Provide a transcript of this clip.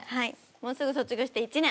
もうすぐ卒業して１年。